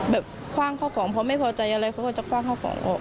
คว่างเข้าของพอไม่พอใจอะไรเขาก็จะคว่างเข้าของออก